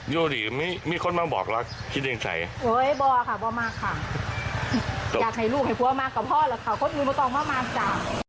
พูดมากกับพ่อเหรอค่ะคนอื่นก็ต้องมากจ้า